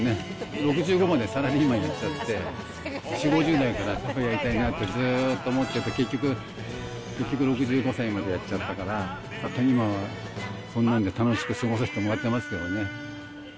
６５までサラリーマンやっちゃって、４、５０代からずっとカフェやりたいなとずっと思ってて、結局６５歳までやっちゃったから、今はそんなんで楽しく過ごさせてもらってますけどね。